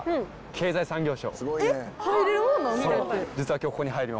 経済産業省。